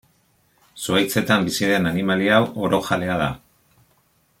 Zuhaitzetan bizi den animali hau orojalea da.